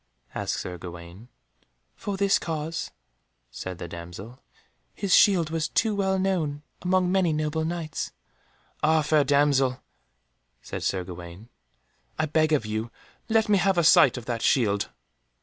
asked Sir Gawaine. "For this cause," said the damsel, "his shield was too well known among many noble Knights." "Ah, fair damsel," said Sir Gawaine, "I beg of you to let me have a sight of that shield."